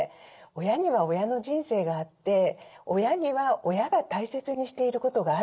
親には親の人生があって親には親が大切にしていることがあると思うんです。